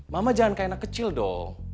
mama jangan kena kecil dong